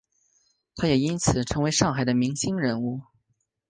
他也因此成为上海的明星人物。